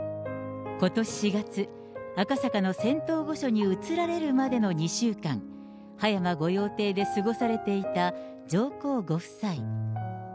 ことし４月、赤坂の仙洞御所に移られるまでの２週間、葉山御用邸で過ごされていた上皇ご夫妻。